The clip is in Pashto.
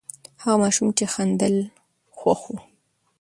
هغه ماشوم چې خندل، خوښ و.